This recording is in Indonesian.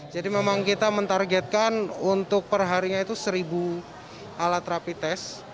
jadi memang kita mentargetkan untuk perharinya itu seribu alat rapi tes